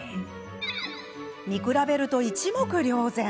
見比べると一目瞭然。